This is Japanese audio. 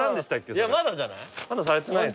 いやまだじゃない？